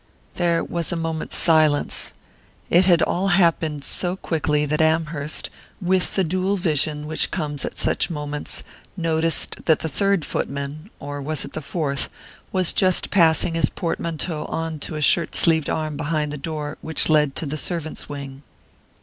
There was a moment's silence. It had all happened so quickly that Amherst, with the dual vision which comes at such moments, noticed that the third footman or was it the fourth? was just passing his portmanteau on to a shirt sleeved arm behind the door which led to the servant's wing....